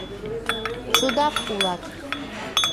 — Чудак улат...